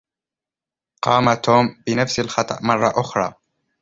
قام توم بنفس الخطأ مرة أخرى.